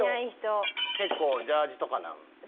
結構ジャージーとかなん？